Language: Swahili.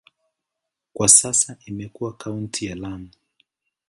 Kwa sasa imekuwa kaunti ya Lamu.